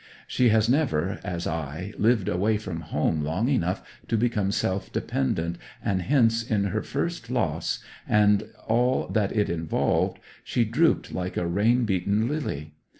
She has never, as I, lived away from home long enough to become self dependent, and hence in her first loss, and all that it involved, she drooped like a rain beaten lily.